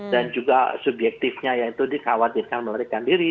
dan juga subjektifnya yaitu dikhawatirkan melarikan diri